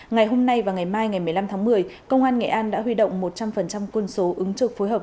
ngày hôm nay và ngày mai ngày một mươi năm tháng một mươi công an nghệ an đã huy động một trăm linh quân số ứng trực phối hợp